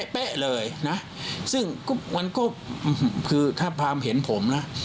เป๊ะเลยนะซึ่งมันก็คือถ้าความเห็นผมนะ